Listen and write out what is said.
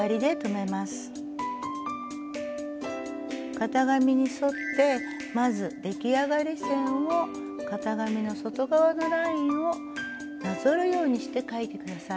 型紙に沿ってまず出来上がり線を型紙の外側のラインをなぞるようにして書いて下さい。